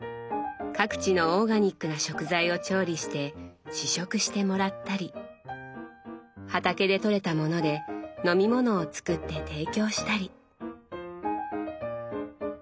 各地のオーガニックな食材を調理して試食してもらったり畑でとれたもので飲み物を作って提供したり。